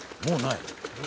もうない？